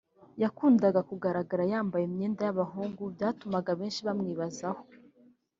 yakundaga kugaragara yambaye imyenda y’abahungu byatumaga benshi bamwibazaho